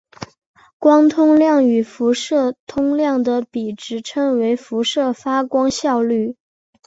光通量与辐射通量的比值称为辐射发光效率。